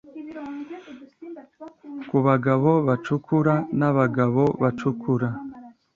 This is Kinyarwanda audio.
kubagabo bacukura n'abagabo bacukura